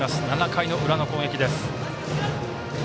７回の裏の攻撃です。